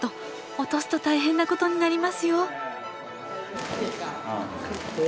落とすと大変なことになりますよお！